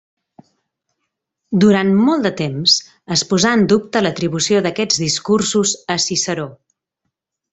Durant molt de temps es posà en dubte l’atribució d’aquests discursos a Ciceró.